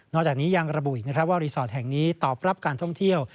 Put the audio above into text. จากนี้ยังระบุอีกว่ารีสอร์ทแห่งนี้ตอบรับการท่องเที่ยว